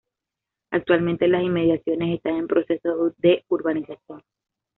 Actualmente las inmediaciones están en proceso de urbanización.